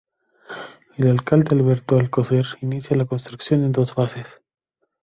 El alcalde Alberto Alcocer inicia la construcción en dos fases.